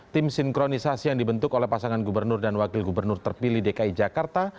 tim sinkronisasi yang dibentuk oleh pasangan gubernur dan wakil gubernur terpilih dki jakarta